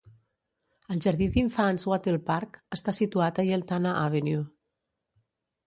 El jardí d'infants Wattle Park està situat a Yeltana Avenue.